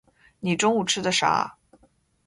你中午吃的啥啊？